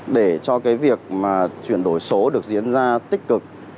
để cho cái việc mà chuyển đổi số được diễn ra tích cực